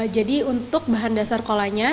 jadi untuk bahan dasar colanya